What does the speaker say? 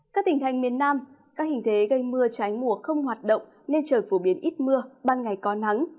các tỉnh thành miền nam các hình thế gây mưa trái mùa không hoạt động nên trời phổ biến ít mưa ban ngày có nắng